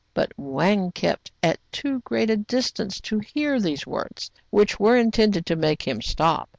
But Wang kept at too great a distance to hear these words, which were intended to make him stop.